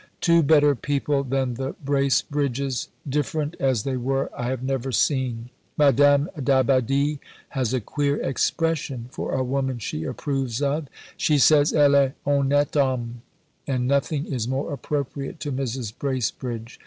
Two better people than the Bracebridges, different as they were, I have never seen. Madame d'Abbadie has a queer expression for a woman she approves of; she says elle est honnête homme, and nothing is more appropriate to Mrs. Bracebridge.